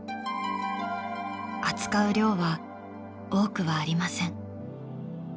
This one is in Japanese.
扱う量は多くはありません。